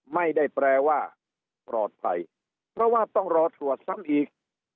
ไม่ได้แปลว่าปลอดภัยเพราะว่าต้องรอตรวจซ้ำอีก